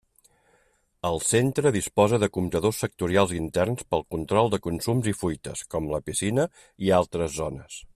El centre disposa de comptadors sectorials interns pel control de consums i fuites, com la piscina i altres zones.